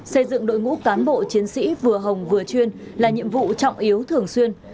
xây dựng đội ngũ cán bộ chiến sĩ vừa hồng vừa chuyên là nhiệm vụ trọng yếu thường xuyên